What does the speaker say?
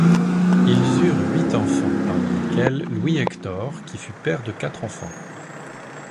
Ils eurent huit enfants, parmi lesquels Louis Hector, qui fut père de quatre enfants.